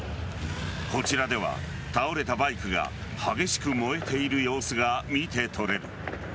こちらでは、倒れたバイクが激しく燃えている様子が見て取れる。